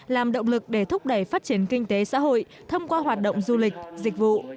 làm động lực để thúc đẩy phát triển kinh tế xã hội thông qua hoạt động du lịch dịch vụ